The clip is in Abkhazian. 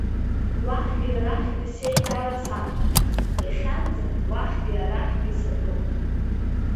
Уахьгьы арахьгьы сеидара саҵан, иахьанӡа уахьгьы арахьгьы сатәуп.